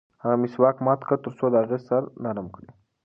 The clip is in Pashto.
هغه مسواک مات کړ ترڅو د هغې سر نرم کړي.